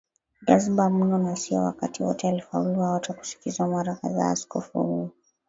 jazba mno Na sio wakati wote alifaulu au hata kusikizwaMara kadhaa askofu huyo